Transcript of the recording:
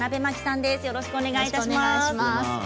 よろしくお願いします。